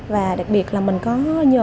và đặc biệt là mình có nhờ